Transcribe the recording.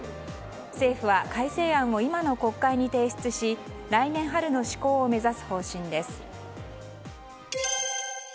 政府は改正案を今の国会に提出し来年春の施行を目指す方針です。